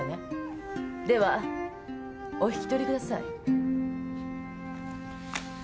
ではお引き取りください。